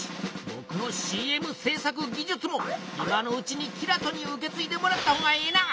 ぼくのＣＭ制作技術も今のうちにキラトに受けついでもらったほうがええな。